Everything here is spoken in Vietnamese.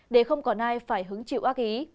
để không còn ai phải hứng chịu ác ý